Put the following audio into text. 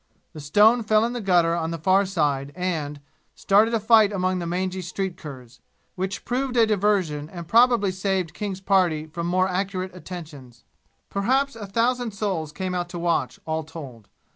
The stone fell in the gutter on the far side and, started a fight among the mangy street curs, which proved a diversion and probably saved King's party from more accurate attentions. Perhaps a thousand souls came out to watch, all told.